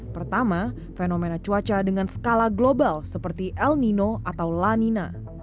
pertama fenomena cuaca dengan skala global seperti el nino atau lanina